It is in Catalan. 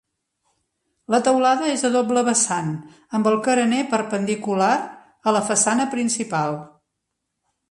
La teulada és a doble vessant amb el carener perpendicular a la façana principal.